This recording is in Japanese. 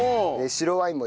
白ワイン。